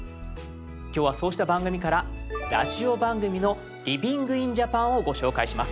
今日はそうした番組からラジオ番組の「ＬｉｖｉｎｇｉｎＪａｐａｎ」をご紹介します。